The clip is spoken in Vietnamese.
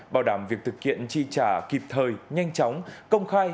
bảo đảm việc thực hiện chi trả kịp thời nhanh chóng công khai